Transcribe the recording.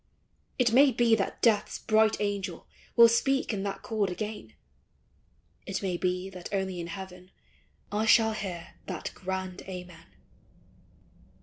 It may be that Death's bright angel Will speak in that chord again; It may be that only in heaven I shall hear that grand Amen.